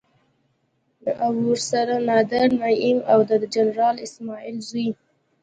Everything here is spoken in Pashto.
او ورسره نادر نعيم او د جنرال اسماعيل زوی.